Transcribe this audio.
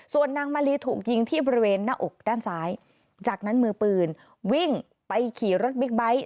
ส่วนนางมาลีถูกยิงที่บริเวณหน้าอกด้านซ้ายจากนั้นมือปืนวิ่งไปขี่รถบิ๊กไบท์